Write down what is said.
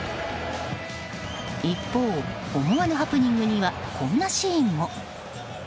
一方、思わぬハプニングにはこんなシーンも。